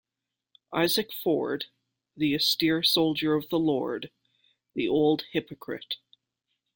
Isaac Ford, the austere soldier of the Lord, the old hypocrite.